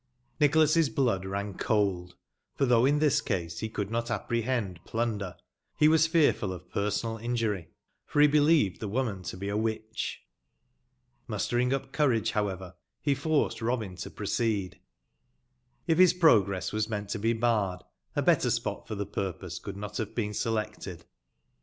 Nicbolas's blood ran cold, for tbougb in tbis case be could not apprebend plunder, be was fearful of personal injury, for be bebeved tbe woman to be a witcb. Mustering up courage, bowever, be forced Eobin to proceed. If bis progress was meant to be barred, a better spot for tbe purpose could not bave been selected.